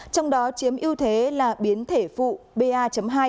trong đó chiếm ưu thế là biến thể phụ ba hai